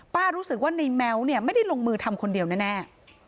รู้สึกว่าในแม้วเนี่ยไม่ได้ลงมือทำคนเดียวแน่